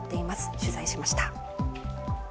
取材しました。